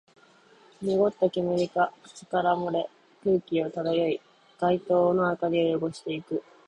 濁った煙が口から漏れ、空中を漂い、街灯の明かりを汚していく